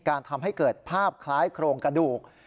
ทำให้เกิดภาพคล้ายโครงกระดูก